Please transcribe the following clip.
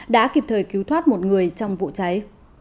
đã kịp thời cứu thoát một người trong vụ cháy